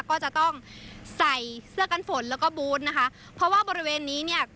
ก็จะต้องใส่เสื้อกันฝนแล้วก็บูธนะคะเพราะว่าบริเวณนี้เนี่ย